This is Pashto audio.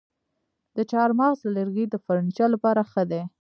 د چهارمغز لرګی د فرنیچر لپاره ښه دی.